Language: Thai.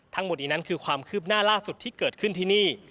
ทั้งหมดนี้นั้นคือความคืบหน้าล่าสุดที่เกิดขึ้นที่นี่